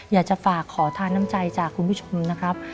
อยากจะฝากขอทานน้ำใจจากคุณผู้ชมนะครับ